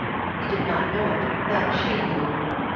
He did not know it, but she knew.